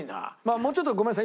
もうちょっとごめんなさい。